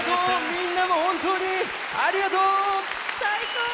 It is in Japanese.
みんなも本当にありがとう！最高！